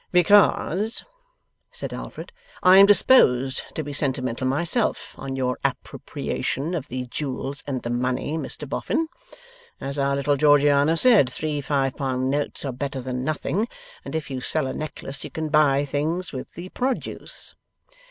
'Because,' said Alfred, 'I am disposed to be sentimental myself, on your appropriation of the jewels and the money, Mr Boffin. As our little Georgiana said, three five pound notes are better than nothing, and if you sell a necklace you can buy things with the produce.